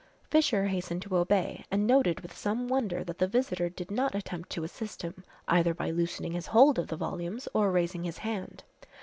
Fisher hastened to obey and noted with some wonder that the visitor did not attempt to assist him either by loosening his hold of the volumes or raising his hand.